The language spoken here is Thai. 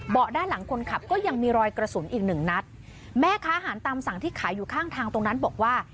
ด้านหลังคนขับก็ยังมีรอยกระสุนอีกหนึ่งนัดแม่ค้าอาหารตามสั่งที่ขายอยู่ข้างทางตรงนั้นบอกว่า